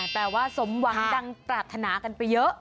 แปลว่าสมหวังดังปรารถนากันไปเยอะ